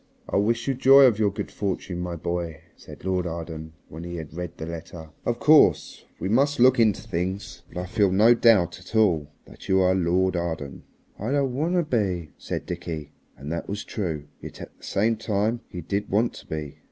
"I wish you joy of your good fortune, my boy," said Lord Arden when he had read the letter. "Of course we must look into things, but I feel no doubt at all that you are Lord Arden!" "I don't want to be," said Dickie, and that was true. Yet at the same time he did want to be.